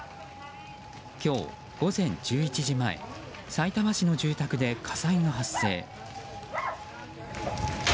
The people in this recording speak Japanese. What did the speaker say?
今日午前１１時前さいたま市の住宅で火災が発生。